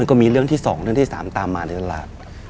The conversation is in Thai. มันก็มีเรื่องที่สองเรื่องที่สามตามมาหน่า